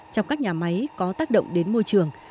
trong các nhà máy có tác động đến môi trường